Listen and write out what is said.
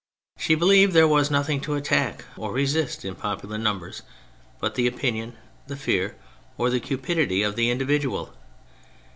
She believed there was nothing to attack or resist in popular numbers but the opinion, the fear, or the cupidity of the individual.